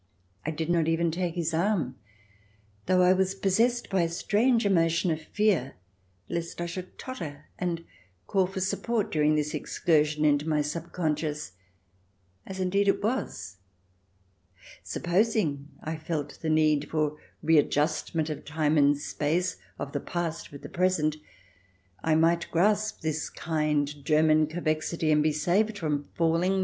I did not even take his arm, though I was possessed by a strange emotion of fear lest I should totter, and call for support during this excur sion into my sub consciousness, as indeed it was. 244 THE DESIRABLE ALIEN [ch. xvii Supposing I felt the need for readjustment of time and space, of the past with the present, I might grasp this kind German convexity, and be saved from falling.